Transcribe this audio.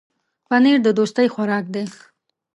پنېر د دوستۍ خوراک دی.